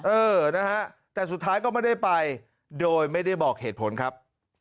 เออนะฮะแต่สุดท้ายก็ไม่ได้ไปโดยไม่ได้บอกเหตุผลครับ